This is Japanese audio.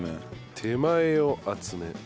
手前を厚め。